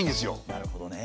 なるほどね。